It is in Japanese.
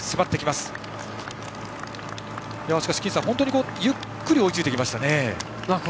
しかし金さん、本当にゆっくり追いついてきましたね。